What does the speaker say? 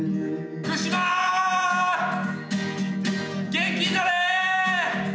元気になれ！